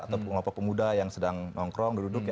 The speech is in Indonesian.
atau pengelola pemuda yang sedang nongkrong duduk duduk